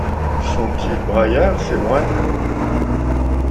Sont-ils braillards, ces moines !